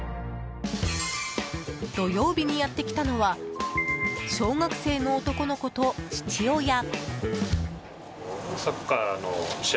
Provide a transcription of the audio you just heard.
土曜日にやってきたのは小学生の男の子と父親。